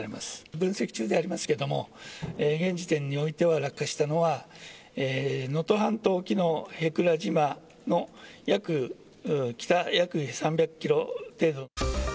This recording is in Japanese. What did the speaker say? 分析中ではありますけれども、現時点においては落下したのは、能登半島沖の舳倉島の北約３００キロ程度。